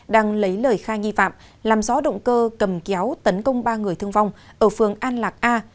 đang lấy lời khai nghi phạm làm rõ động cơ cầm kéo tấn công ba người thương vong ở phường an lạc a